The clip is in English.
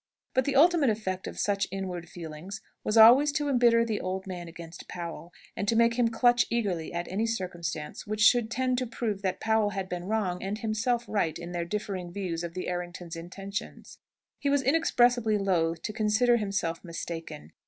But the ultimate effect of such inward feelings was always to embitter the old man against Powell, and to make him clutch eagerly at any circumstance which should tend to prove that Powell had been wrong and himself right in their differing views of the Erringtons' intentions. He was inexpressibly loath to consider himself mistaken.